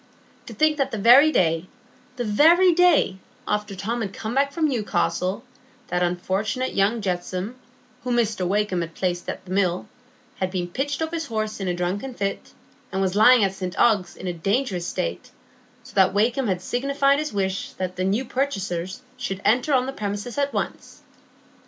To think that the very day—the very day—after Tom had come back from Newcastle, that unfortunate young Jetsome, whom Mr Wakem had placed at the Mill, had been pitched off his horse in a drunken fit, and was lying at St Ogg's in a dangerous state, so that Wakem had signified his wish that the new purchasers should enter on the premises at once!